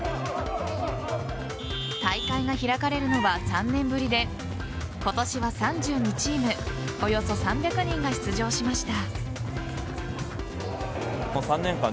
大会が開かれるのは３年ぶりで今年は３２チームおよそ３００人が出場しました。